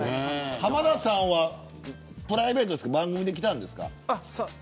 浜田さんはプライベートですか番組で来たんですか。